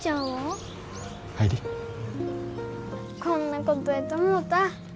こんなことやと思うた。